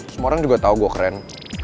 semua orang juga tahu gue keren